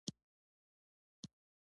آیا د زعفرانو پیاز روغ دي؟